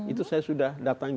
itu saya sudah datangi